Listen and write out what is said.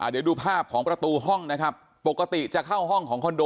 เดี๋ยวดูภาพของประตูห้องนะครับปกติจะเข้าห้องของคอนโด